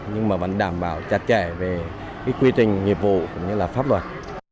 nhưng mà vẫn đảm bảo chặt chẽ về cái quy trình nghiệp vụ cũng như là pháp luật